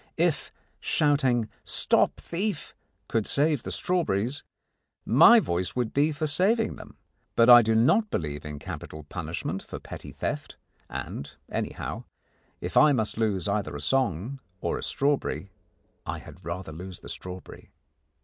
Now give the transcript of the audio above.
If shouting "Stop thief!" could save the strawberries, my voice would be for saving them. But I do not believe in capital punishment for petty theft, and, anyhow, if I must lose either a song or a strawberry, I had rather lose the strawberry.